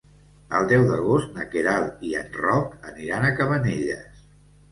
El deu d'agost na Queralt i en Roc aniran a Cabanelles.